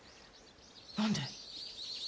何で？